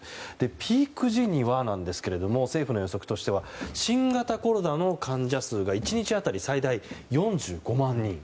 ピーク時にはですが政府の予測としては新型コロナの患者数が１日当たり最大４５万人。